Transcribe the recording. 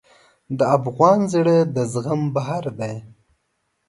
د افغان زړه د زغم بحر دی.